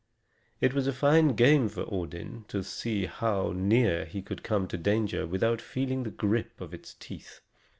It was a fine game for Odin to see how near he could come to danger without feeling the grip of its teeth.